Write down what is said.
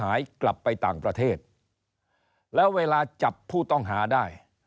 หายกลับไปต่างประเทศแล้วเวลาจับผู้ต้องหาได้